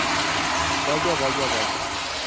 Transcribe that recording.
Vaya, vaya, vaya.